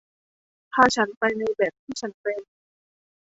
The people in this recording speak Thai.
พาฉันไปในแบบที่ฉันเป็น